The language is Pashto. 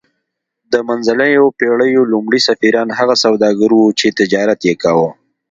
د منځنیو پیړیو لومړي سفیران هغه سوداګر وو چې تجارت یې کاوه